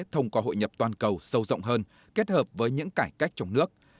thông qua hội nhập toàn cầu sâu rộng hơn kết hợp với những cải cách trong nước